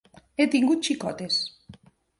He tingut xicotes.